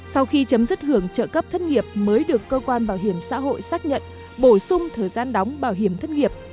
sau khi chấm dứt hưởng trợ cấp thất nghiệp mới được cơ quan bảo hiểm xã hội xác nhận bổ sung thời gian đóng bảo hiểm thất nghiệp